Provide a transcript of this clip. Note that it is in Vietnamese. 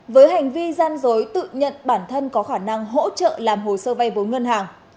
với hành vi gian dối tự nhận bản thân có khả năng hỗ trợ làm hồ sơ vay vốn ngân hàng